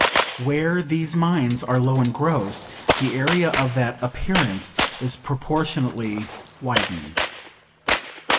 Where these minds are low and gross, the area of that "appearance" is proportionately widened.